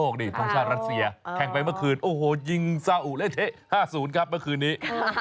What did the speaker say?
แข่งไปเมื่อคืนโอ้โหยิงซาอุและเทะ๕๐ครับเมื่อคืนนี้